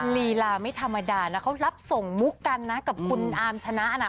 ลีลาไม่ธรรมดานะเขารับส่งมุกกันนะกับคุณอาร์มชนะน่ะ